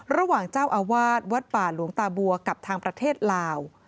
ระหว่างเจ้าอาวาสวัดป่าหลวงตาบัวกับทางประเทศลาว